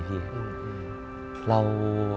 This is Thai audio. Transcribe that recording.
เรา